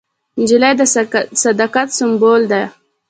نجلۍ د صداقت سمبول ده.